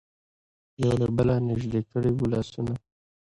یو له بله نژدې کړي وو لاسونه.